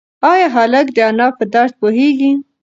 ایا هلک د انا په درد پوهېږي؟